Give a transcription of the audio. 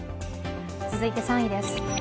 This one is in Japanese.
続いて３位です。